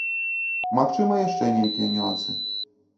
Магчыма, яшчэ нейкія нюансы.